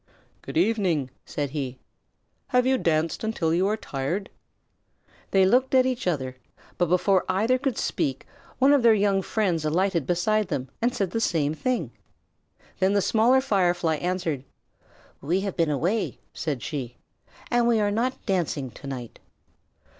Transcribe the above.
"Good evening," said he. "Have you danced until you are tired?" They looked at each other, but before either could speak one of their young friends alighted beside them and said the same thing. Then the Smaller Firefly answered. "We have been away," said she, "and we are not dancing to night."